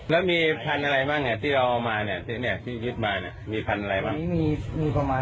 แล้วมีพันธุ์อะไรบ้างที่เราเอามา